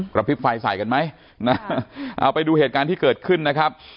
พริบไฟใส่กันไหมนะเอาไปดูเหตุการณ์ที่เกิดขึ้นนะครับ